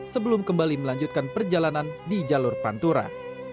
sebelum kembali melanjutkan perjalanan di jalur pantura